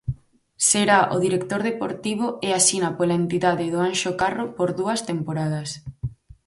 Será o director deportivo e asina pola entidade do Anxo Carro por dúas temporadas.